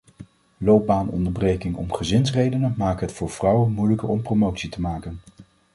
Loopbaanonderbrekingen om gezinsredenen maken het voor vrouwen moeilijker om promotie te maken.